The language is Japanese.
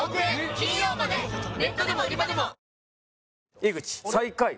井口最下位。